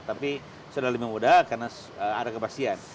tapi sudah lebih mudah karena ada kebastian